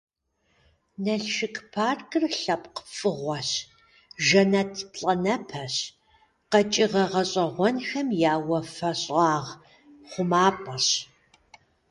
Налшык паркыр лъэпкъ фӀыгъуэщ, жэнэт плӀанэпэщ, къэкӀыгъэ гъэщӀэгъуэнхэм я «уафэщӀагъ хъумапӀэщ».